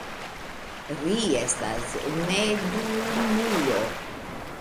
Ri estas neduumulo.